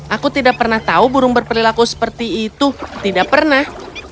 aku tidak pernah tahu burung berperilaku seperti itu tidak pernah